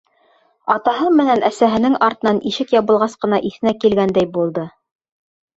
Атаһы менән әсәһенең артынан ишек ябылғас ҡына иҫенә килгәндәй булды.